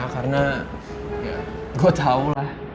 karena gue tau lah